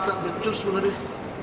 tak becus mengurus